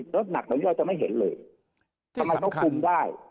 รถหนักเหมือนเราจะไม่เห็นเลยทำไมต้องคุมได้